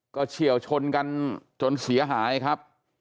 ก็เฉียวชนกันจนเสียหายครับ